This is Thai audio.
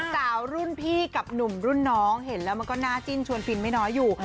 สาวรุ่นพี่กับหนุ่มรุ่นน้องเห็นแล้วมันก็น่าจิ้นชวนฟินไม่น้อยอยู่